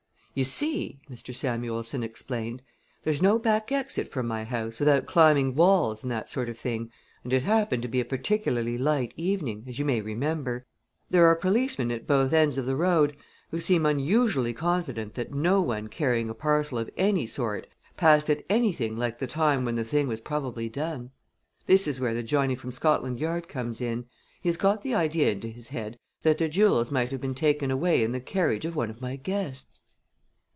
"You see," Mr. Samuelson explained, "there's no back exit from my house without climbing walls and that sort of thing, and it happened to be a particularly light evening, as you may remember. There are policemen at both ends of the road, who seem unusually confident that no one carrying a parcel of any sort passed at anything like the time when the thing was probably done. This is where the Johnny from Scotland Yard comes in. He has got the idea into his head that the jewels might have been taken away in the carriage of one of my guests."